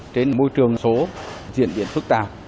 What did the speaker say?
trên môi trường số diễn biến phức tạp